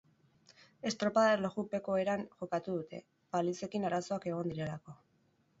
Estropada erlojupeko eran jokatu dute, balizekin arazoak egon direlako.